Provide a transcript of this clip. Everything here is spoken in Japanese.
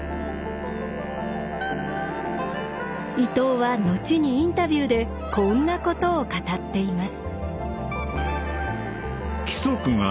伊藤は後にインタビューでこんなことを語っています。